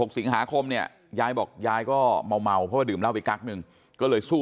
สิงหาคมเนี่ยยายบอกยายก็เมาเพราะว่าดื่มเหล้าไปกั๊กนึงก็เลยสู้